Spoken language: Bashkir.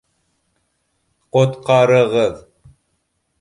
Ҡот-ҡа-ры-ғыҙ!